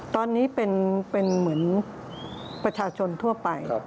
ตอนนี้เป็นเหมือนประชาชนทั่วไป